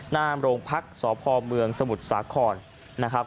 หน้าโรงพักษ์สพเมืองสมุทรสาครนะครับ